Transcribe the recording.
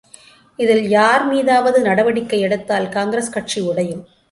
இதில் யார் மீதாவது நடவடிக்கை எடுத்தால் காங்கிரஸ் கட்சி உடையும்!